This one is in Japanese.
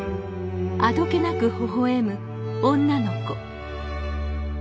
あどけなくほほ笑む女の子。